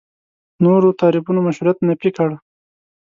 نورو تعریفونو مشروعیت نفي کړي.